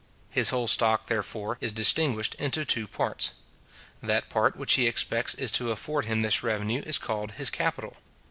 His whole stock, therefore, is distinguished into two parts. That part which he expects is to afford him this revenue is called his capital.